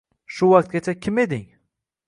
Shu vaqtgacha kim eding?»